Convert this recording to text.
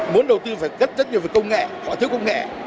muốn đầu tư phải rất rất nhiều về công nghệ họ thiếu công nghệ